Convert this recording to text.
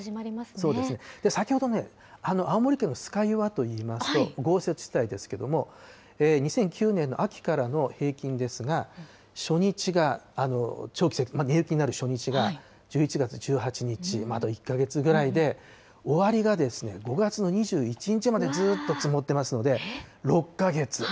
先ほどね、青森県の酸ヶ湯はといいますと、豪雪地帯ですけれども、２００９年の秋からの平均ですが、初日が、根雪になる初日が１１月１８日、あと１か月ぐらいで、終わりが５月の２１日までずっと積もってますので、６か月。